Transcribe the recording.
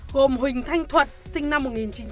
gồm huỳnh thanh thuật sinh năm một nghìn chín trăm chín mươi